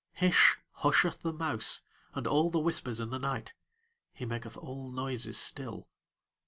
Hish husheth the mouse and all the whispers in the night; he maketh all noises still.